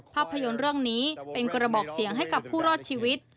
ภาพยนตร์เรื่องนี้เป็นกระบอกเสียงให้กับผู้รอดชีวิต